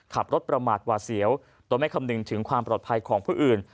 ขับรถประมาทหวาเสียวโดยไม่คำนึงถึงความปลอดภัยของผู้อื่น